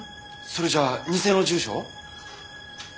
それじゃあ偽の住所を？